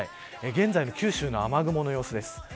現在の九州の雨雲の様子です。